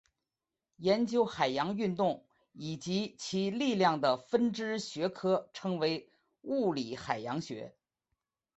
研究海洋运动以及其力量的分支学科称为物理海洋学。